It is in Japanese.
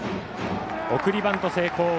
送りバント成功。